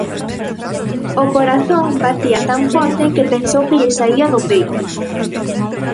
O corazón batía tan forte que pensou que lle saía do peito